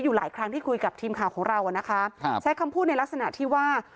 อยู่หลายครั้งที่คุยกับทีมข่าวของเราอ่ะนะคะครับใช้คำพูดในลักษณะที่ว่า